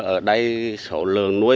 ở đây sổ lường nuôi